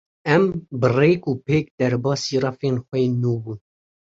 Em bi rêk û pêk derbasî refên xwe yên nû bûn.